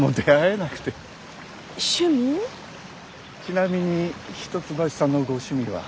ちなみに一橋さんのご趣味は。